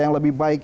yang lebih baik